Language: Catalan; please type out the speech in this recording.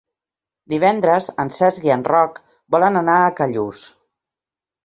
Divendres en Cesc i en Roc volen anar a Callús.